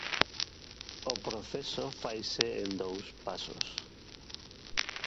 O proceso faise en dous pasos.